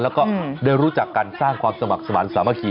แล้วก็ได้รู้จักกันสร้างความสมัครสมาธิสามัคคี